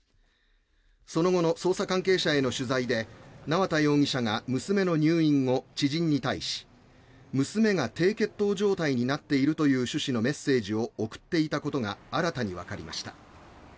その後の捜査関係者への取材で縄田容疑者が娘の入院後、知人に対し娘が低血糖症状態になっているという趣旨のメッセージを送っていたことが新たにわかりました。